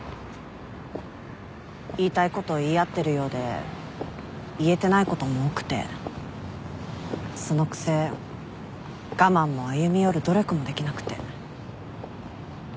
言いたいこと言い合ってるようで言えてないことも多くてそのくせ我慢も歩み寄る努力もできなくて。